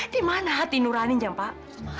di mana hati nuraninya pak